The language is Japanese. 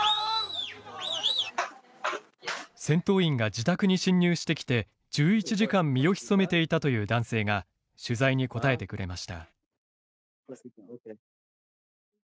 戦闘員が自宅に侵入してきて１１時間、身を潜めていたという男性が取材に答えてくれました。